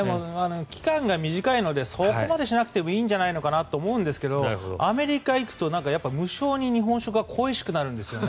期間が短いのでそこまでしなくてもいいんじゃないかなと思うんですがアメリカ行くと無性に日本食が恋しくなんですよね。